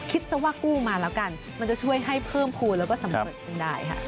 คิดว่ากู้มาละกันมันก็ช่วยให้เพิ่มพูดและก็สำแรกได้ค่ะ